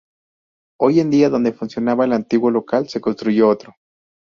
Hoy en día donde funcionaba el antiguo local, se construyó otro.